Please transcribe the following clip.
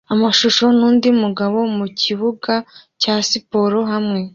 amashusho nundi mugabo mukibuga cya siporo hamwe